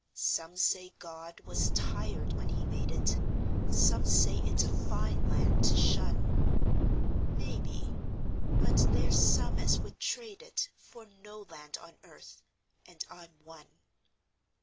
Some say God was tired when He made it; Some say it's a fine land to shun; Maybe; but there's some as would trade it For no land on earth and I'm one.